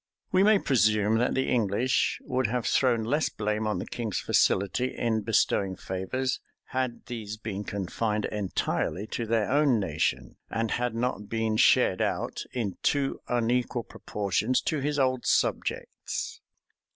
[*] We may presume that the English would have thrown less blame on the king's facility in bestowing favors, had these been confined entirely to their own nation, and had not been shared out, in too unequal proportions, to his old subjects.